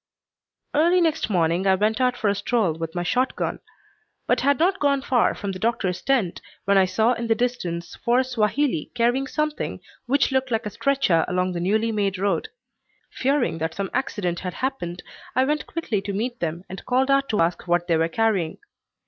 Early next morning I went out for a stroll with my shot gun, but had not gone far from the doctor's tent when I saw in the distance four Swahili carrying something which looked like a stretcher along the newly made road. Fearing that some accident had happened, I went quickly to meet them and called out to ask what they were carrying.